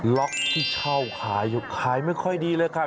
ล็อกที่เช่าขายอยู่ขายไม่ค่อยดีเลยค่ะ